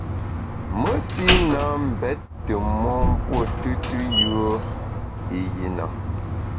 Mesi na mbèt tù mon mpuo tùtù yùe i yi na.